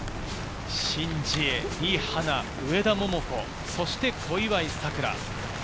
シン・ジエ、リ・ハナ、上田桃子、そして小祝さくら。